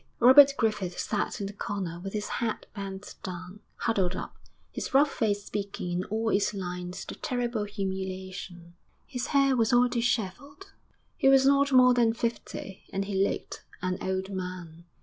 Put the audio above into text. Robert Griffith sat in the corner with his head bent down, huddled up, his rough face speaking in all its lines the terrible humiliation; his hair was all dishevelled. He was not more than fifty, and he looked an old man.